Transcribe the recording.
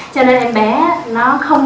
cho nên em bé nó không